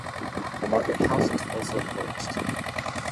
The Market House was also torched.